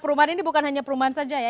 perumahan ini bukan hanya perumahan saja ya